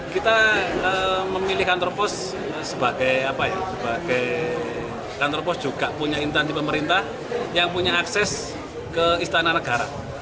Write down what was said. kita memilih kantor pos sebagai kantor pos juga punya intansi pemerintah yang punya akses ke istana negara